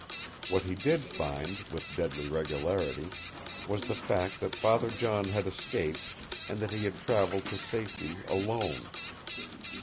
What he did find, with deadly regularity, was the fact that Father John had escaped and that he had traveled to safety ALONE.